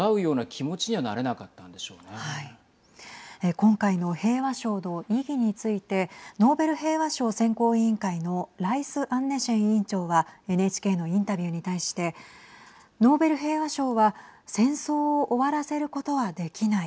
今回の平和賞の意義についてノーベル平和賞選考委員会のライスアンネシェン委員長はＮＨＫのインタビューに対してノーベル平和賞は戦争を終わらせることはできない。